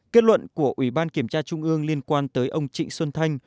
kết luận của ủy ban kiểm tra trung ương liên quan tới ông trịnh xuân thanh